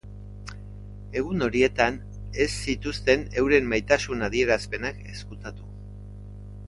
Egun horietan ez zituzten euren maitasun adierazpenak ezkutatu.